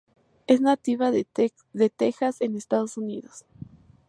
Es nativa de Texas en Estados Unidos.